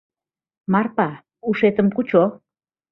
Марпа, ушетым кучо.